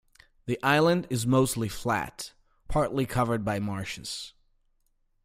The island is mostly flat, partly covered by marshes.